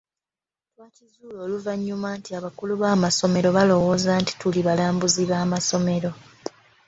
Twakizuula oluvannyuma nti abakulu b’amasomero baalowooza nti tuli balambuzi b’amasomero.